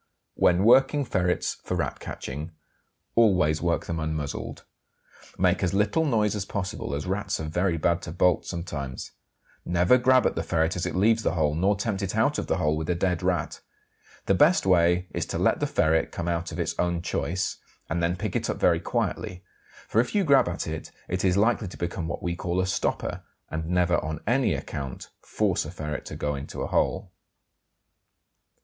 WHEN WORKING FERRETS FOR RAT CATCHING always work them unmuzzled. Make as little noise as possible, as Rats are very bad to bolt sometimes. Never grab at the ferret as it leaves the hole, nor tempt it out of the hole with a dead Rat. The best way is to let the ferret come out of its own choice, and then pick it up very quietly, for if you grab at it, it is likely to become what we call a "stopper;" and never on any account force a ferret to go into a hole.